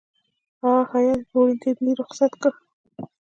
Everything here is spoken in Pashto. هغه هېئت یې په ورین تندي رخصت کړ.